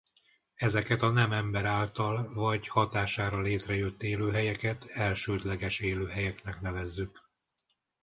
Ezeket a nem ember által vagy hatására létrejött élőhelyeket elsődleges élőhelyeknek nevezzük.